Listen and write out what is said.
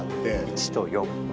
１と４。